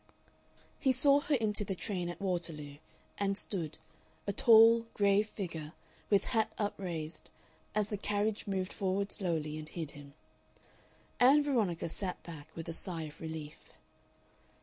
He saw her into the train at Waterloo, and stood, a tall, grave figure, with hat upraised, as the carriage moved forward slowly and hid him. Ann Veronica sat back with a sigh of relief.